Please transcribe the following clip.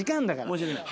申し訳ない。